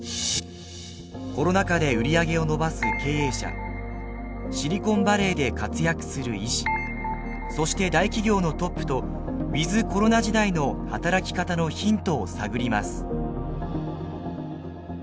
コロナ禍で売り上げを伸ばす経営者シリコンバレーで活躍する医師そして大企業のトップとウィズコロナ時代の働き方のヒントを探ります。